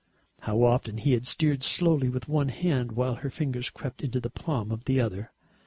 How often he had steered slowly with one hand, while her fingers crept into the palm of the other.